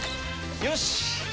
よし！